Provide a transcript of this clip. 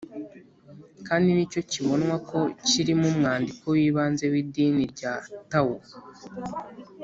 kandi ni cyo kibonwa ko kirimo umwandiko w’ibanze w’idini rya tao.